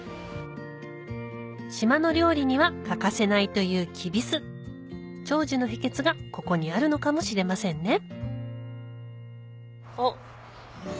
島の料理には欠かせないというきび酢長寿の秘訣がここにあるのかもしれませんねあっ。